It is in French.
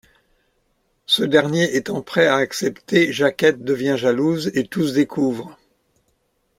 Ce dernier étant prêt à accepter, Jacquette devient jalouse et tout se découvre.